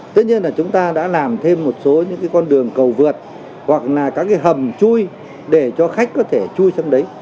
tất nhiên là chúng ta đã làm thêm một số những cái con đường cầu vượt hoặc là các cái hầm chui để cho khách có thể chui sang đấy